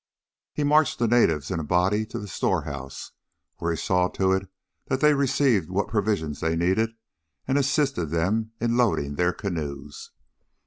He marched the natives in a body to the storehouse, where he saw to it that they received what provisions they needed and assisted them in loading their canoes.